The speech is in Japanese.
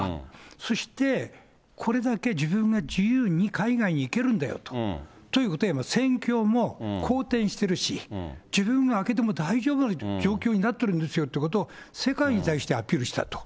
そして、これだけ自分が自由に海外に行けるんだよということは、戦況も好転してるし、自分が空けても大丈夫な状況になってるんですよってことを世界に対してアピールしたと。